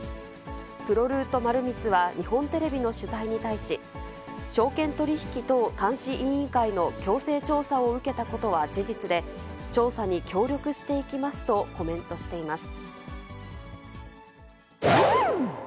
プロルート丸光は日本テレビの取材に対し、証券取引等監視委員会の強制調査を受けたことは事実で、調査に協力していきますとコメントしています。